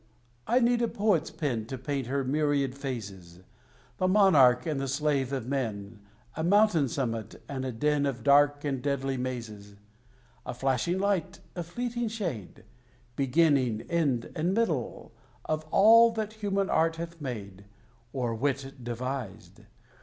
I need a poet's pen To paint her myriad phases: The monarch, and the slave, of men A mountain summit, and a den Of dark and deadly mazes A flashing light a fleeting shade Beginning, end, and middle Of all that human art hath made Or wit devised!